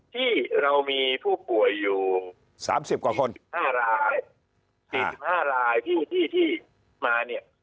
ที่เรามีผู้ป่วยอยู่๓๕รายที่มาเนี่ย